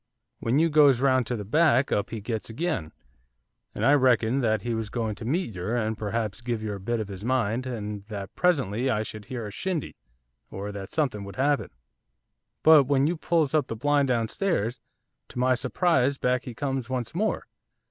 When you goes round to the back, up he gets again, and I reckoned that he was going to meet yer, and perhaps give yer a bit of his mind, and that presently I should hear a shindy, or that something would happen. But when you pulls up the blind downstairs, to my surprise back he come once more.